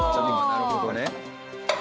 なるほどね。